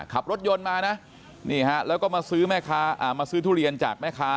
ขับรถยนต์มานะนี่ฮะแล้วก็มาซื้อแม่ค้ามาซื้อทุเรียนจากแม่ค้า